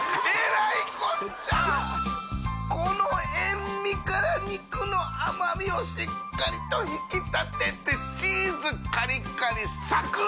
この塩みから肉の甘みをしっかりと引き立てて繊璽カリカリサクッ！